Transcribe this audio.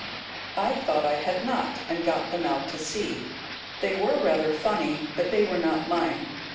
I thought I had not, and got them out to see. They were rather funny, but they were not mine.